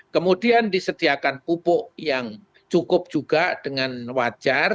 kemudian disediakan pupuk yang cukup juga dengan wajar